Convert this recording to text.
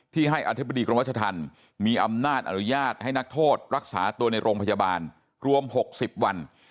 ให้อธิบดีกรมรัชธรรมมีอำนาจอนุญาตให้นักโทษรักษาตัวในโรงพยาบาลรวม๖๐วัน